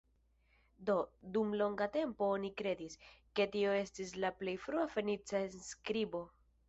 Do, dum longa tempo oni kredis, ke tio estis la plej frua fenica enskribo.